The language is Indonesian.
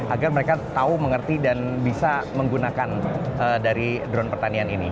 agar mereka tahu mengerti dan bisa menggunakan dari drone pertanian ini